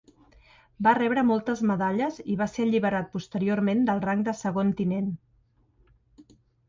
Va rebre moltes medalles i va ser alliberat posteriorment del rang de segon tinent.